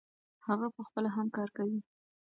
هغه پخپله هم کار کوي.